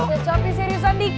cacapi seriusan dikit